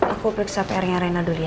aku periksa prnya reina dulu ya